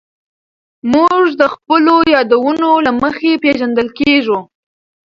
موږ د خپلو یادونو له مخې پېژندل کېږو.